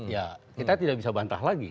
ya kita tidak bisa bantah lagi